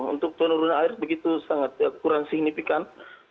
untuk penurunan air begitu sangat kurang signifikan